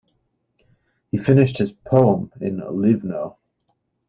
He finished his poem in Livno.